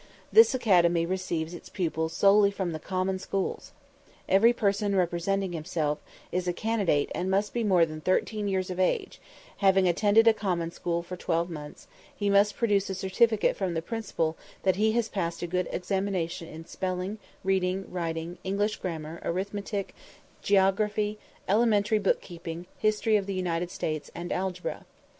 This academy receives its pupils solely from the common schools. Every person presenting himself as a candidate must be more than 13 years of age, and, having attended a common school for 12 months, he must produce a certificate from the principal that he has passed a good examination in spelling, reading, writing, English grammar, arithmetic, geography, elementary book keeping, history of the United States, and algebra.